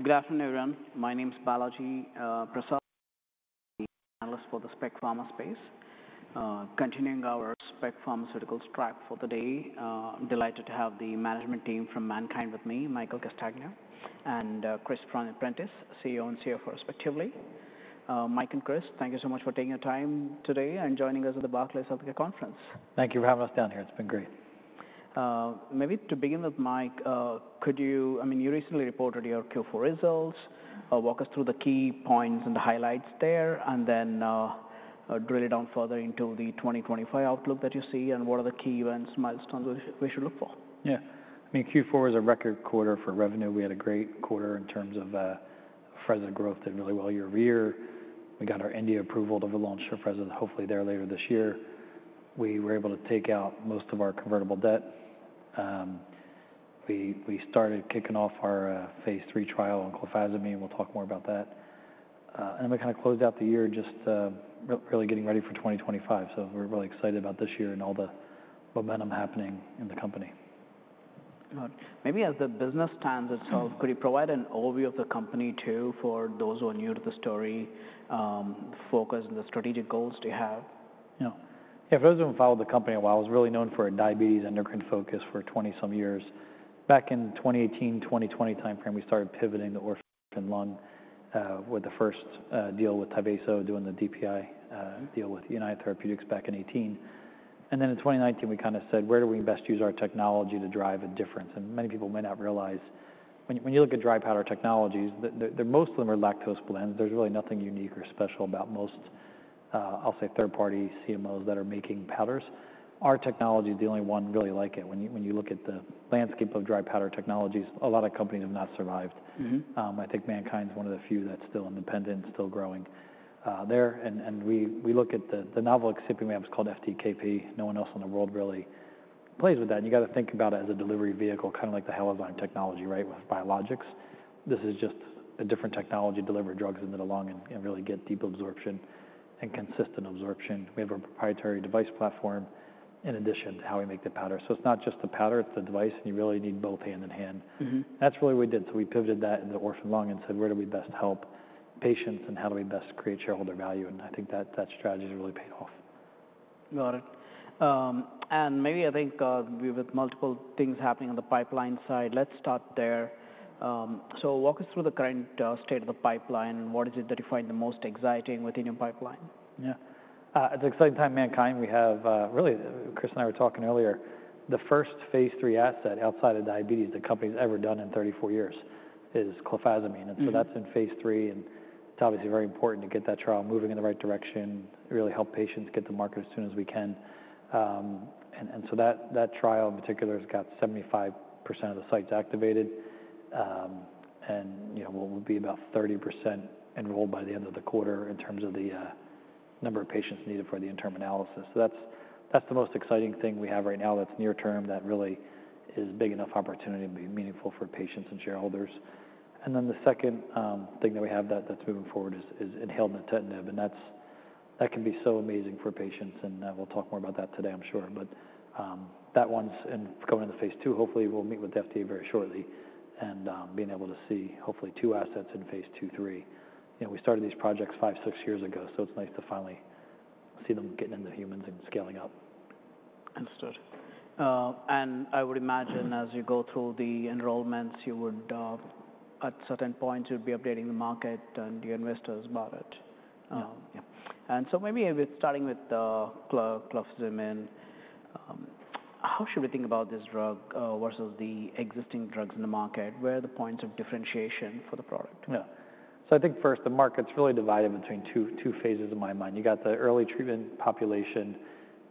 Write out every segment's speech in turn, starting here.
Good afternoon, everyone. My name's Balaji Prasad, the Analyst for the spec pharma space. Continuing our spec pharmaceuticals track for the day, delighted to have the management team from MannKind with me, Michael Castagna and Chris Prentiss, CEO and CFO respectively. Mike and Chris, thank you so much for taking your time today and joining us at the Barclays Healthcare Conference. Thank you for having us down here. It's been great. Maybe to begin with, Mike, could you—I mean, you recently reported your Q4 results. Walk us through the key points and the highlights there, and then drill it down further into the 2025 outlook that you see, and what are the key events, milestones we should look for? Yeah. I mean, Q4 was a record quarter for revenue. We had a great quarter in terms of Afrezza growth. It went really well year over year. We got our India approval to launch for Afrezza, hopefully there later this year. We were able to take out most of our convertible debt. We started kicking off our phase three trial on clofazimine. We'll talk more about that. We kind of closed out the year just really getting ready for 2025. We're really excited about this year and all the momentum happening in the company. Maybe as the business stands itself, could you provide an overview of the company too, for those who are new to the story, focus on the strategic goals they have? Yeah. Yeah, for those who haven't followed the company a while, I was really known for a diabetes endocrine focus for 20 some years. Back in 2018, 2020 timeframe, we started pivoting to orphan lung, with the first deal with Tyvaso doing the DPI deal with United Therapeutics back in 2018. In 2019, we kind of said, where do we best use our technology to drive a difference? Many people may not realize, when you look at dry powder technologies, most of them are lactose blends. There is really nothing unique or special about most, I'll say, third-party CMOs that are making powders. Our technology is the only one really like it. When you look at the landscape of dry powder technologies, a lot of companies have not survived. I think MannKind is one of the few that's still independent, still growing there. We look at the novel excipient we have is called FDKP. No one else in the world really plays with that. You got to think about it as a delivery vehicle, kind of like the Halozyme technology, right, with biologics. This is just a different technology to deliver drugs into the lung and really get deep absorption and consistent absorption. We have a proprietary device platform in addition to how we make the powder. It is not just the powder, it is the device. You really need both hand in hand. That is really what we did. We pivoted that into orphan lung and said, where do we best help patients and how do we best create shareholder value? I think that strategy has really paid off. Got it. I think with multiple things happening on the pipeline side, let's start there. Walk us through the current state of the pipeline. What is it that you find the most exciting within your pipeline? Yeah. It's an exciting time, MannKind. We have really, Chris and I were talking earlier, the first phase III asset outside of diabetes that the company's ever done in 34 years is clofazimine. It's in phase III. It's obviously very important to get that trial moving in the right direction, really help patients get to market as soon as we can. That trial in particular has got 75% of the sites activated. We'll be about 30% enrolled by the end of the quarter in terms of the number of patients needed for the interim analysis. That's the most exciting thing we have right now that's near term that really is a big enough opportunity to be meaningful for patients and shareholders. The second thing that we have that's moving forward is inhaled nintedanib. That can be so amazing for patients. We'll talk more about that today, I'm sure. That one's going into phase two. Hopefully, we'll meet with the FDA very shortly and be able to see hopefully two assets in phase two, three. We started these projects five, six years ago. It's nice to finally see them getting into humans and scaling up. Understood. I would imagine as you go through the enrollments, at certain points you'd be updating the market and your investors about it. Yeah. Maybe starting with clofazimine, how should we think about this drug versus the existing drugs in the market? Where are the points of differentiation for the product? Yeah. I think first, the market's really divided between two phases in my mind. You got the early treatment population,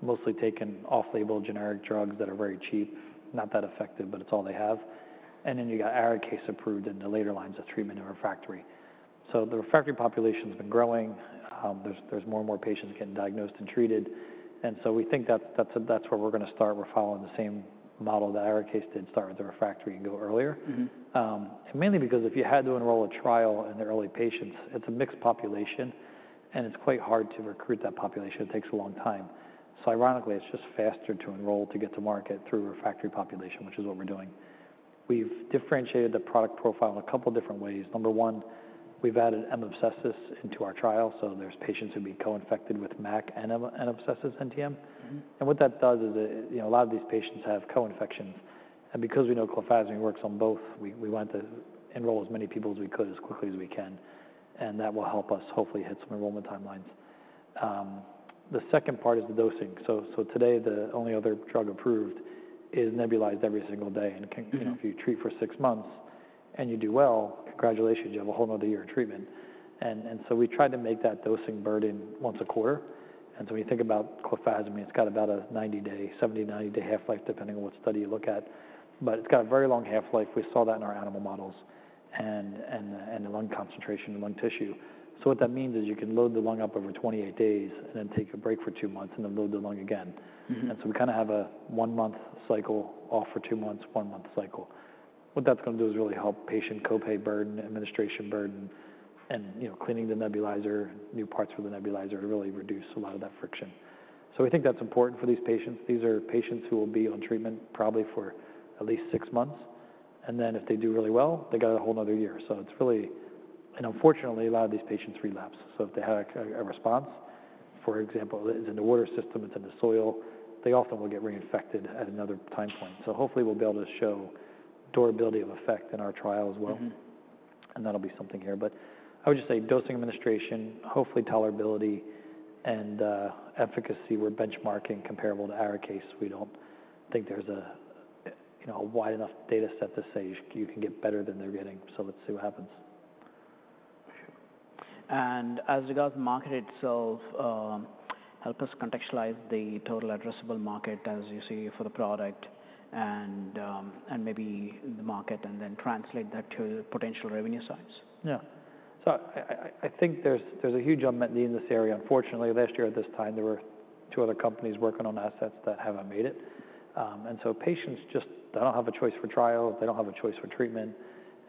mostly taking off-label generic drugs that are very cheap, not that effective, but it's all they have. You got ARIKAYCE approved in the later lines of treatment and refractory. The refractory population has been growing. There are more and more patients getting diagnosed and treated. We think that's where we're going to start. We're following the same model that ARIKAYCE did, start with the refractory and go earlier. Mainly because if you had to enroll a trial in the early patients, it's a mixed population, and it's quite hard to recruit that population. It takes a long time. Ironically, it's just faster to enroll to get to market through the refractory population, which is what we're doing. We've differentiated the product profile in a couple of different ways. Number one, we've added M. abscessus into our trial. There are patients who would be co-infected with MAC and M. abscessus NTM. What that does is a lot of these patients have co-infections. Because we know clofazimine works on both, we want to enroll as many people as we could as quickly as we can. That will help us hopefully hit some enrollment timelines. The second part is the dosing. Today, the only other drug approved is nebulized every single day. If you treat for six months and you do well, congratulations, you have a whole another year of treatment. We tried to make that dosing burden once a quarter. When you think about clofazimine, it's got about a 90-day, 70-90-day half-life, depending on what study you look at. It's got a very long half-life. We saw that in our animal models and the lung concentration and lung tissue. What that means is you can load the lung up over 28 days and then take a break for two months and then load the lung again. We kind of have a one-month cycle off for two months, one-month cycle. What that's going to do is really help patient copay burden, administration burden, and cleaning the nebulizer, new parts for the nebulizer to really reduce a lot of that friction. We think that's important for these patients. These are patients who will be on treatment probably for at least six months. If they do really well, they got a whole another year. It's really, and unfortunately, a lot of these patients relapse. If they had a response, for example, it's in the water system, it's in the soil, they often will get reinfected at another time point. Hopefully we'll be able to show durability of effect in our trial as well. That'll be something here. I would just say dosing, administration, hopefully tolerability, and efficacy we're benchmarking comparable to ARIKAYCE. We don't think there's a wide enough data set to say you can get better than they're getting. Let's see what happens. As regards the market itself, help us contextualize the total addressable market as you see for the product and maybe the market, and then translate that to potential revenue size. Yeah. I think there's a huge unmet need in this area. Unfortunately, last year at this time, there were two other companies working on assets that haven't made it. Patients just, they don't have a choice for trials. They don't have a choice for treatment.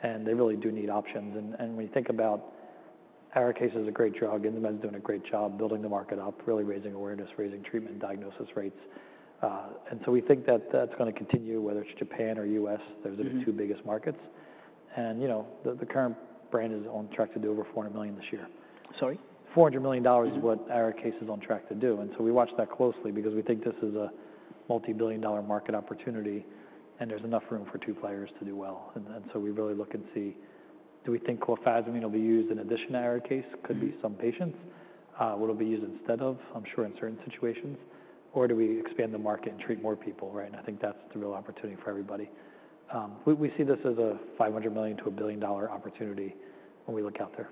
They really do need options. When you think about ARIKAYCE as a great drug, Insmed is doing a great job building the market up, really raising awareness, raising treatment diagnosis rates. We think that that's going to continue, whether it's Japan or the U.S., those are the two biggest markets. The current brand is on track to do over $400 million this year. Sorry? $400 million is what ARIKAYCE is on track to do. We watch that closely because we think this is a multi-billion dollar market opportunity and there's enough room for two players to do well. We really look and see, do we think clofazimine will be used in addition to ARIKAYCE? Could be some patients. What will be used instead of, I'm sure in certain situations? Do we expand the market and treat more people, right? I think that's the real opportunity for everybody. We see this as a $500 million-$1 billion opportunity when we look out there.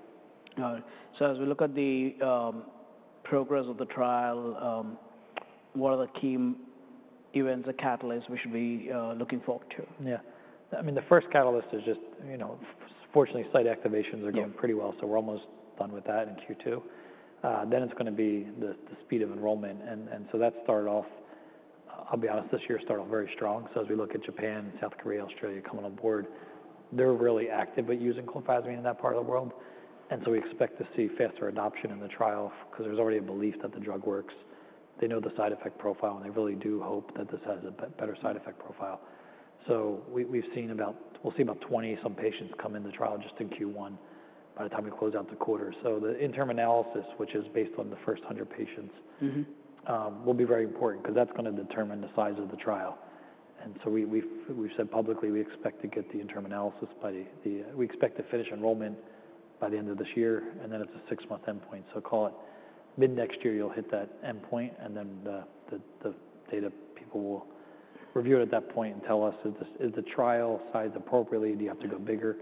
Got it. As we look at the progress of the trial, what are the key events or catalysts we should be looking forward to? Yeah. I mean, the first catalyst is just, fortunately, site activations are going pretty well. We are almost done with that in Q2. It is going to be the speed of enrollment. I will be honest, this year started off very strong. As we look at Japan, South Korea, Australia coming on board, they are really active at using clofazimine in that part of the world. We expect to see faster adoption in the trial because there is already a belief that the drug works. They know the side effect profile, and they really do hope that this has a better side effect profile. We have seen about, we will see about 20 some patients come into trial just in Q1 by the time we close out the quarter. The interim analysis, which is based on the first 100 patients, will be very important because that's going to determine the size of the trial. We've said publicly we expect to get the interim analysis by the, we expect to finish enrollment by the end of this year. It is a six-month endpoint. Call it mid next year, you'll hit that endpoint. The data people will review it at that point and tell us, is the trial sized appropriately? Do you have to go bigger?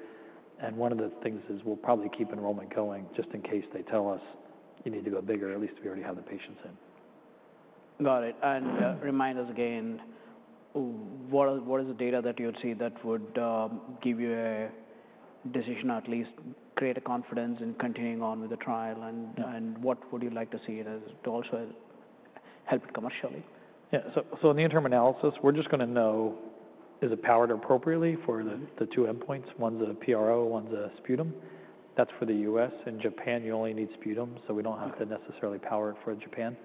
One of the things is we'll probably keep enrollment going just in case they tell us you need to go bigger, at least we already have the patients in. Got it. Remind us again, what is the data that you would see that would give you a decision, at least create a confidence in continuing on with the trial? What would you like to see it as to also help it commercially? Yeah. In the interim analysis, we're just going to know, is it powered appropriately for the two endpoints? One's a PRO, one's a sputum. That's for the U.S. In Japan, you only need sputum. We don't have to necessarily power it for Japan.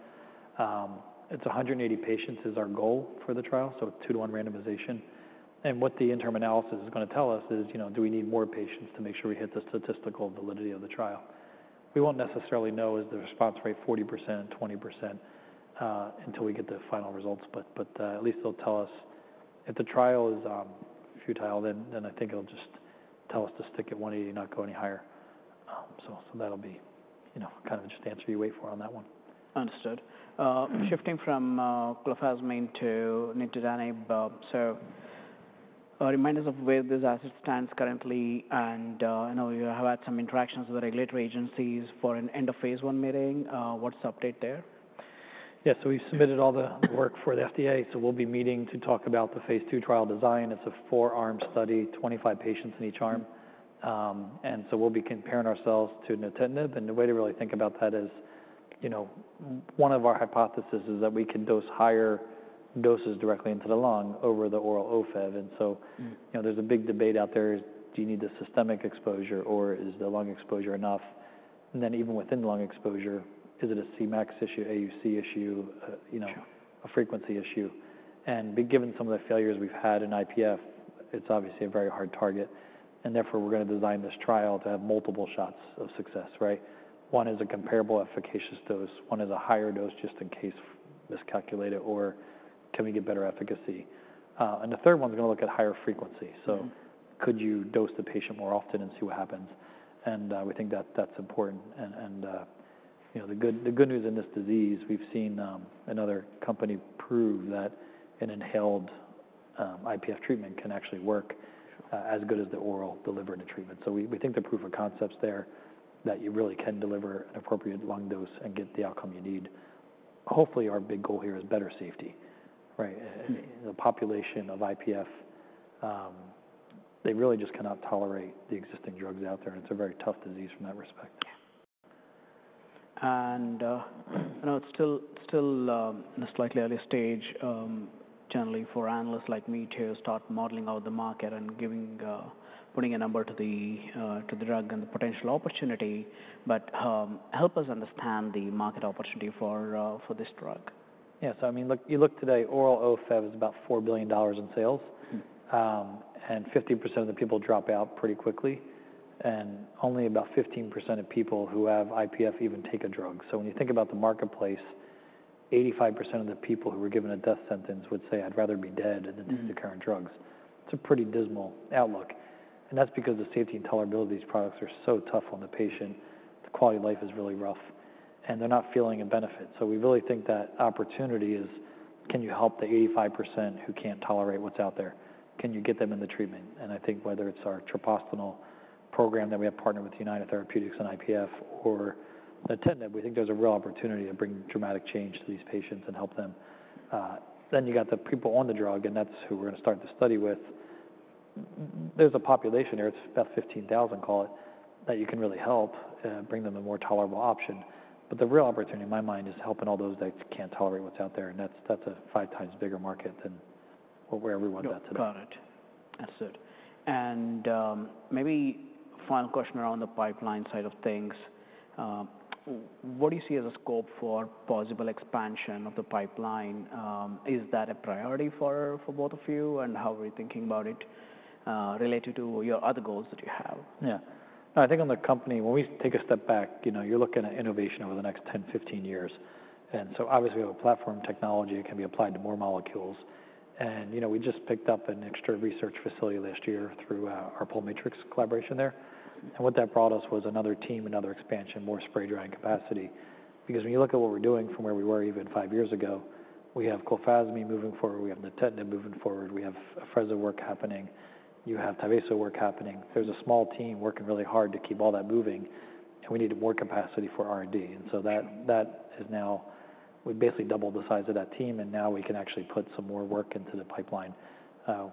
It is 180 patients is our goal for the trial. Two-to-one randomization. What the interim analysis is going to tell us is, do we need more patients to make sure we hit the statistical validity of the trial? We won't necessarily know is the response rate 40%, 20% until we get the final results. At least they'll tell us if the trial is futile, then I think it'll just tell us to stick at 180, not go any higher. That'll be kind of just the answer you wait for on that one. Understood. Shifting from clofazimine to nintedanib. Remind us of where this asset stands currently. I know you have had some interactions with the regulatory agencies for an end of phase one meeting. What's the update there? Yeah. We have submitted all the work for the FDA. We will be meeting to talk about the phase II trial design. It is a four-arm study, 25 patients in each arm. We will be comparing ourselves to nintedanib. The way to really think about that is one of our hypotheses is that we can dose higher doses directly into the lung over the oral OFEV. There is a big debate out there. Do you need the systemic exposure or is the lung exposure enough? Even within lung exposure, is it a Cmax issue, AUC issue, a frequency issue? Given some of the failures we have had in IPF, it is obviously a very hard target. Therefore, we are going to design this trial to have multiple shots of success, right? One is a comparable efficacious dose. One is a higher dose just in case miscalculated or can we get better efficacy. The third one is going to look at higher frequency. Could you dose the patient more often and see what happens? We think that that's important. The good news in this disease, we've seen another company prove that an inhaled IPF treatment can actually work as good as the oral delivered treatment. We think the proof of concept's there that you really can deliver an appropriate lung dose and get the outcome you need. Hopefully, our big goal here is better safety, right? The population of IPF, they really just cannot tolerate the existing drugs out there. It's a very tough disease from that respect. I know it's still in a slightly early stage, generally for analysts like me to start modeling out the market and putting a number to the drug and the potential opportunity, but help us understand the market opportunity for this drug. Yeah. So I mean, you look today, oral OFEV is about $4 billion in sales. And 50% of the people drop out pretty quickly. And only about 15% of people who have IPF even take a drug. When you think about the marketplace, 85% of the people who were given a death sentence would say, "I'd rather be dead than to take the current drugs." It's a pretty dismal outlook. That's because the safety and tolerability of these products are so tough on the patient. The quality of life is really rough. They're not feeling a benefit. We really think that opportunity is, can you help the 85% who can't tolerate what's out there? Can you get them in the treatment? I think whether it's our treprostinil program that we have partnered with United Therapeutics and IPF or nintedanib, we think there's a real opportunity to bring dramatic change to these patients and help them. You got the people on the drug, and that's who we're going to start the study with. There's a population here, it's about 15,000, call it, that you can really help bring them a more tolerable option. The real opportunity in my mind is helping all those that can't tolerate what's out there. That's a five times bigger market than where we're at today. Got it. Understood. Maybe final question around the pipeline side of things. What do you see as a scope for possible expansion of the pipeline? Is that a priority for both of you? How are you thinking about it related to your other goals that you have? Yeah. I think on the company, when we take a step back, you're looking at innovation over the next 10, 15 years. Obviously, we have a platform technology that can be applied to more molecules. We just picked up an extra research facility last year through our Pulmatrix collaboration there. What that brought us was another team, another expansion, more spray drying capacity. Because when you look at what we're doing from where we were even five years ago, we have clofazimine moving forward. We have nintedanib moving forward. We have Afrezza work happening. You have Tyvaso work happening. There's a small team working really hard to keep all that moving. We need more capacity for R&D. That is now, we basically doubled the size of that team. Now we can actually put some more work into the pipeline.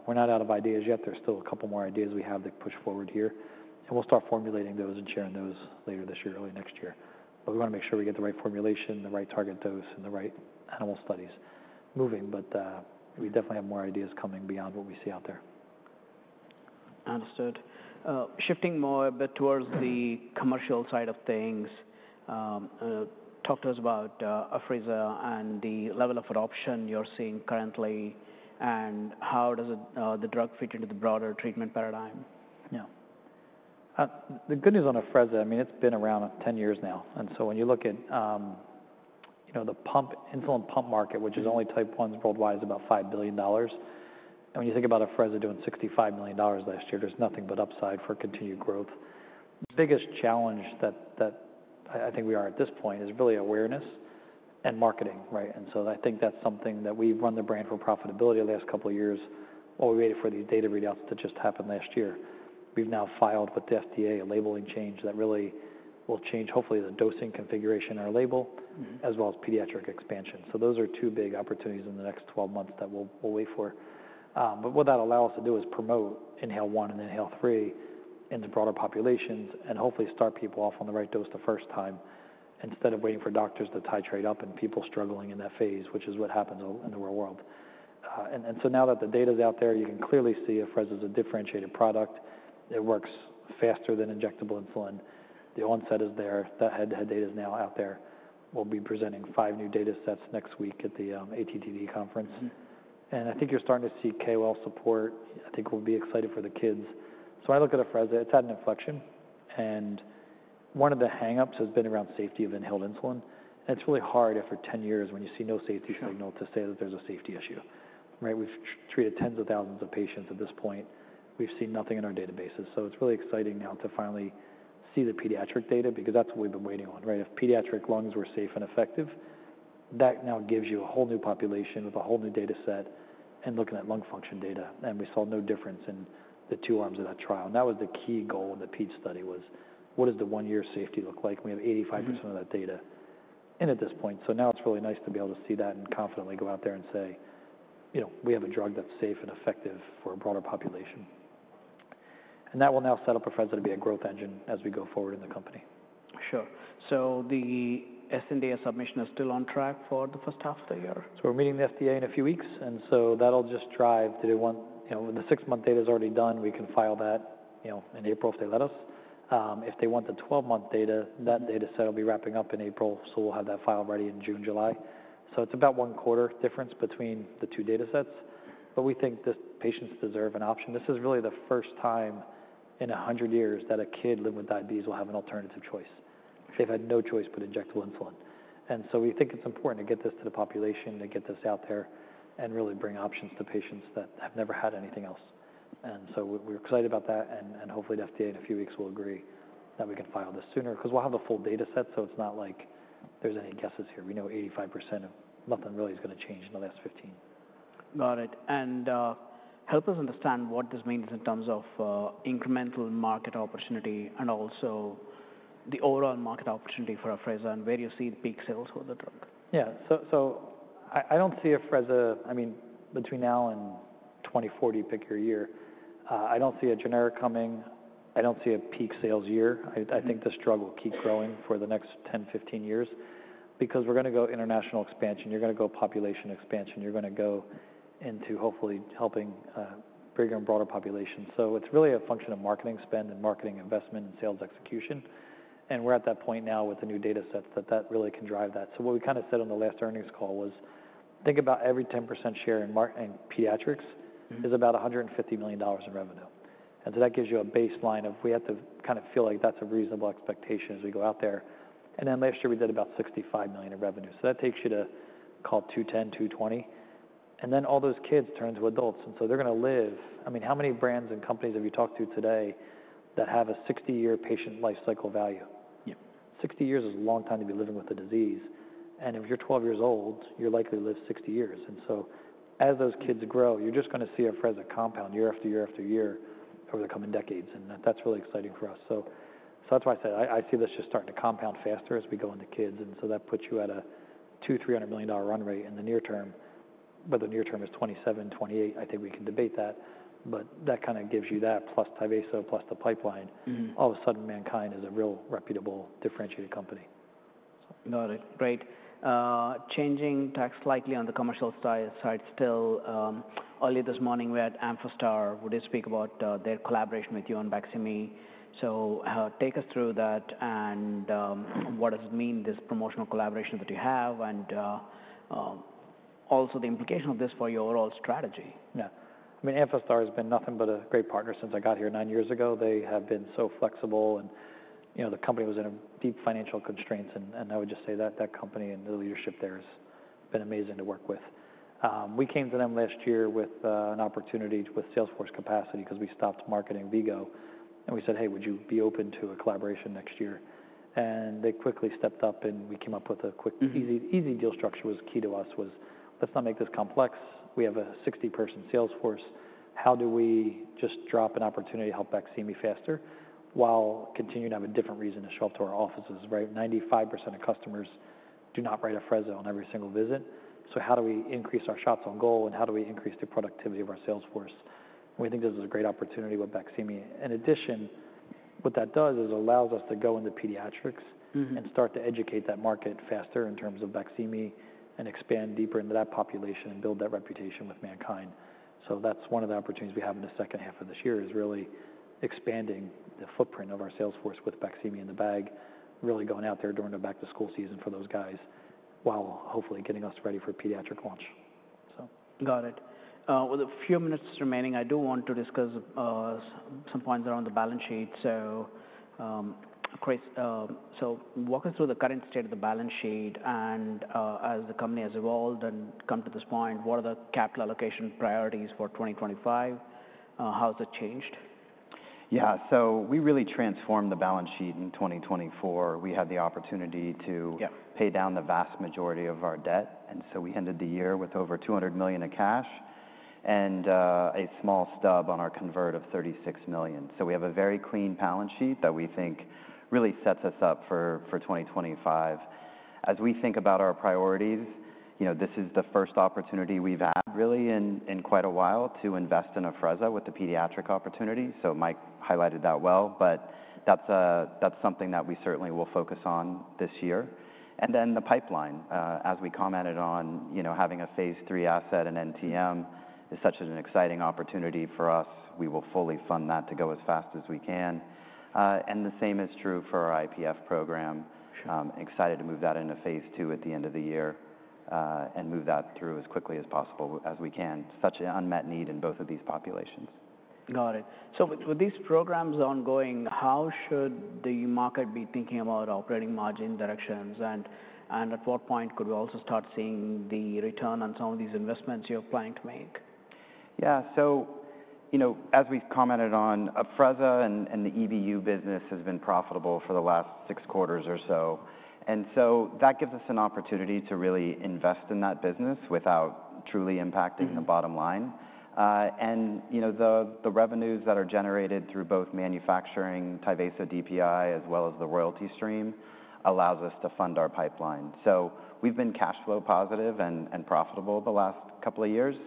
We're not out of ideas yet. There's still a couple more ideas we have to push forward here. We'll start formulating those and sharing those later this year, early next year. We want to make sure we get the right formulation, the right target dose, and the right animal studies moving. We definitely have more ideas coming beyond what we see out there. Understood. Shifting more a bit towards the commercial side of things, talk to us about Afrezza and the level of adoption you're seeing currently. How does the drug fit into the broader treatment paradigm? Yeah. The good news on Afrezza, I mean, it's been around 10 years now. When you look at the insulin pump market, which is only type 1s worldwide, is about $5 billion. When you think about Afrezza doing $65 million last year, there's nothing but upside for continued growth. The biggest challenge that I think we are at this point is really awareness and marketing, right? I think that's something that we've run the brand for profitability the last couple of years. While we waited for these data readouts to just happen last year, we've now filed with the FDA a labeling change that really will change hopefully the dosing configuration or label, as well as pediatric expansion. Those are two big opportunities in the next 12 months that we'll wait for. What that allows us to do is promote inhaled one and inhaled three into broader populations and hopefully start people off on the right dose the first time instead of waiting for doctors to titrate up and people struggling in that phase, which is what happens in the real world. Now that the data is out there, you can clearly see Afrezza is a differentiated product. It works faster than injectable insulin. The onset is there. That head-to-head data is now out there. We'll be presenting five new data sets next week at the ATTD conference. I think you're starting to see KOL support. I think we'll be excited for the kids. I look at Afrezza. It's had an inflection. One of the hang ups has been around safety of inhaled insulin. It is really hard after 10 years when you see no safety signal to say that there is a safety issue, right? We have treated tens of thousands of patients at this point. We have seen nothing in our databases. It is really exciting now to finally see the pediatric data because that is what we have been waiting on, right? If pediatric lungs were safe and effective, that now gives you a whole new population with a whole new data set and looking at lung function data. We saw no difference in the two arms of that trial. That was the key goal in the peds study, what does the one-year safety look like? We have 85% of that data in at this point. Now it's really nice to be able to see that and confidently go out there and say, we have a drug that's safe and effective for a broader population. That will now set up Afrezza to be a growth engine as we go forward in the company. Sure. So the sNDA submission is still on track for the first half of the year? We're meeting the FDA in a few weeks. That'll just drive to the one, the six-month data is already done. We can file that in April if they let us. If they want the 12-month data, that data set will be wrapping up in April. We'll have that file ready in June, July. It's about one quarter difference between the two data sets. We think the patients deserve an option. This is really the first time in 100 years that a kid living with diabetes will have an alternative choice. They've had no choice but injectable insulin. We think it's important to get this to the population, to get this out there and really bring options to patients that have never had anything else. We're excited about that. Hopefully, the FDA in a few weeks will agree that we can file this sooner because we'll have the full data set. So it's not like there's any guesses here. We know 85% of nothing really is going to change in the last 15. Got it. Help us understand what this means in terms of incremental market opportunity and also the overall market opportunity for Afrezza and where you see the peak sales for the drug. Yeah. I don't see Afrezza, I mean, between now and 2040, pick your year. I don't see a generic coming. I don't see a peak sales year. I think this drug will keep growing for the next 10-15 years because we're going to go international expansion. You're going to go population expansion. You're going to go into hopefully helping a bigger and broader population. It's really a function of marketing spend and marketing investment and sales execution. We're at that point now with the new data sets that really can drive that. What we kind of said on the last earnings call was think about every 10% share in pediatrics is about $150 million in revenue. That gives you a baseline of we have to kind of feel like that's a reasonable expectation as we go out there. Last year, we did about $65 million in revenue. That takes you to, call it, 210, 220. All those kids turn into adults. They're going to live, I mean, how many brands and companies have you talked to today that have a 60-year patient lifecycle value? Sixty years is a long time to be living with a disease. If you're 12 years old, you're likely to live 60 years. As those kids grow, you're just going to see Afrezza compound year after year after year over the coming decades. That's really exciting for us. That's why I said I see this just starting to compound faster as we go into kids. That puts you at a $200-$300 million run rate in the near term. The near term is 2027, 2028. I think we can debate that. That kind of gives you that plus Tyvaso plus the pipeline. All of a sudden, MannKind is a real reputable differentiated company. Got it. Great. Changing tack slightly on the commercial side still. Earlier this morning, we had Amphastar. We did speak about their collaboration with you on BAQSIMI. Take us through that and what does it mean, this promotional collaboration that you have and also the implication of this for your overall strategy. Yeah. I mean, Amphastar has been nothing but a great partner since I got here nine years ago. They have been so flexible. The company was in deep financial constraints. I would just say that that company and the leadership there has been amazing to work with. We came to them last year with an opportunity with sales force capacity because we stopped marketing V-Go. We said, "Hey, would you be open to a collaboration next year?" They quickly stepped up. We came up with a quick, easy deal structure. What was key to us was, "Let's not make this complex. We have a 60-person sales force. How do we just drop an opportunity to help BAQSIMI faster while continuing to have a different reason to show up to our offices, right?" 95% of customers do not write Afrezza on every single visit. How do we increase our shots on goal and how do we increase the productivity of our sales force? We think this is a great opportunity with BAQSIMI. In addition, what that does is it allows us to go into pediatrics and start to educate that market faster in terms of BAQSIMI and expand deeper into that population and build that reputation with MannKind. That is one of the opportunities we have in the second half of this year, really expanding the footprint of our sales force with BAQSIMI in the bag, really going out there during the back-to-school season for those guys while hopefully getting us ready for pediatric launch. Got it. With a few minutes remaining, I do want to discuss some points around the balance sheet. Walk us through the current state of the balance sheet. As the company has evolved and come to this point, what are the capital allocation priorities for 2025? How has it changed? Yeah. We really transformed the balance sheet in 2024. We had the opportunity to pay down the vast majority of our debt. We ended the year with over $200 million in cash and a small stub on our convert of $36 million. We have a very clean balance sheet that we think really sets us up for 2025. As we think about our priorities, this is the first opportunity we've had really in quite a while to invest in Afrezza with the pediatric opportunity. Mike highlighted that well. That's something that we certainly will focus on this year. The pipeline, as we commented on, having a phase three asset, an NTM, is such an exciting opportunity for us. We will fully fund that to go as fast as we can. The same is true for our IPF program. Excited to move that into phase two at the end of the year and move that through as quickly as possible as we can. Such an unmet need in both of these populations. Got it. With these programs ongoing, how should the market be thinking about operating margin directions? At what point could we also start seeing the return on some of these investments you're planning to make? Yeah. As we've commented on, Afrezza and the EBU business has been profitable for the last six quarters or so. That gives us an opportunity to really invest in that business without truly impacting the bottom line. The revenues that are generated through both manufacturing, Tyvaso DPI, as well as the royalty stream allows us to fund our pipeline. We've been cash flow positive and profitable the last couple of years.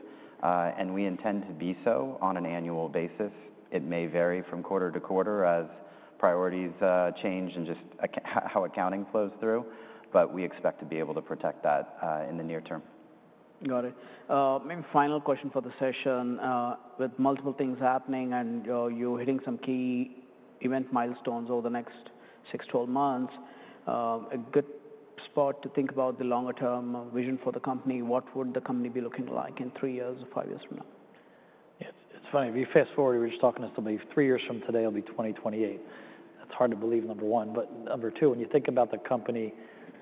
We intend to be so on an annual basis. It may vary from quarter to quarter as priorities change and just how accounting flows through. We expect to be able to protect that in the near term. Got it. Maybe final question for the session. With multiple things happening and you're hitting some key event milestones over the next six to 12 months, a good spot to think about the longer-term vision for the company. What would the company be looking like in three years or five years from now? It's funny. If we fast forward, we were just talking to somebody, three years from today will be 2028. That's hard to believe, number one. Number two, when you think about the company,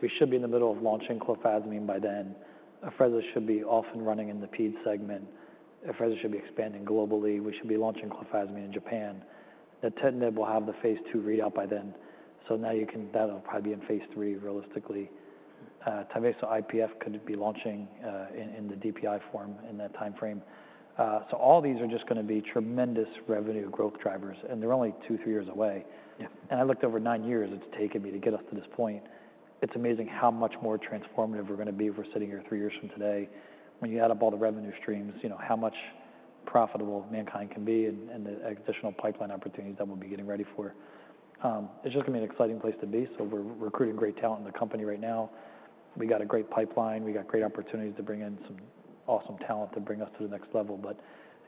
we should be in the middle of launching clofazimine by then. Afrezza should be off and running in the peds segment. Afrezza should be expanding globally. We should be launching clofazimine in Japan. Nintedanib will have the phase two readout by then. You can see that'll probably be in phase three realistically. Tyvaso IPF could be launching in the DPI form in that time frame. All these are just going to be tremendous revenue growth drivers. They're only two, three years away. I looked over nine years it's taken me to get us to this point. It's amazing how much more transformative we're going to be if we're sitting here three years from today. When you add up all the revenue streams, how much profitable MannKind can be and the additional pipeline opportunities that we'll be getting ready for. It's just going to be an exciting place to be. We're recruiting great talent in the company right now. We got a great pipeline. We got great opportunities to bring in some awesome talent to bring us to the next level.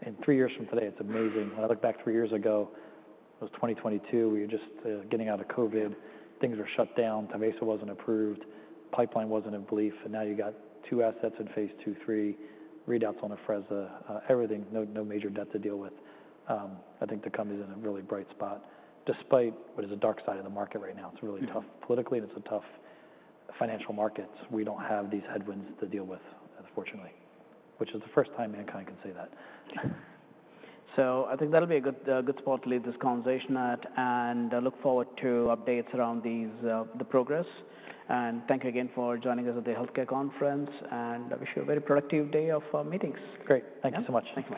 In three years from today, it's amazing. When I look back three years ago, it was 2022. We were just getting out of COVID. Things were shut down. Tyvaso wasn't approved. Pipeline wasn't in belief. Now you got two assets in phase two, three readouts on Afrezza. Everything, no major debt to deal with. I think the company's in a really bright spot. Despite what is a dark side of the market right now, it's really tough politically. And it's a tough financial market. We don't have these headwinds to deal with, unfortunately, which is the first time MannKind can say that. I think that'll be a good spot to leave this conversation at. I look forward to updates around the progress. Thank you again for joining us at the healthcare conference. I wish you a very productive day of meetings. Great. Thank you so much. Thank you.